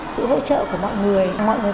sự hỗ trợ của mọi người mọi người